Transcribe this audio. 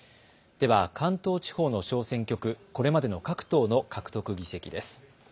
では関東地方の小選挙区、これまでの各党の獲得議席です。